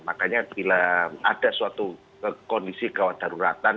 makanya bila ada suatu kondisi gawat daruratan